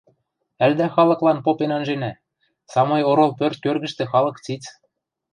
Ӓлдӓ халыклан попен анженӓ; самой орол пӧрт кӧргӹштӹ халык циц...